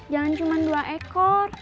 jangan cuma dua ekor